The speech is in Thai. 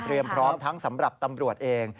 พร้อมทั้งสำหรับตำรวจเอง